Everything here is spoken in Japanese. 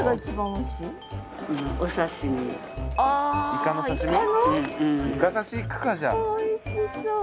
おいしいね。